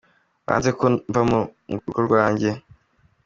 Banze ko mva mu rugo iwanjye.